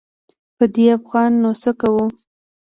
په دې افغان نو څه کوو.